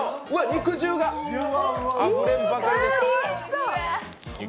肉汁があふれんばかり。